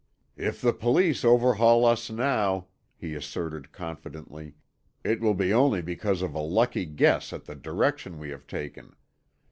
"If the Police overhaul us now," he asserted confidently, "it will be only because of a lucky guess at the direction we have taken.